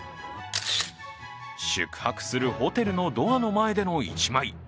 宿泊するホテルのドアの前での１枚。